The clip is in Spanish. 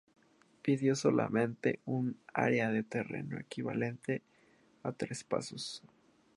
Pidió solamente un área de terreno equivalente a tres pasos.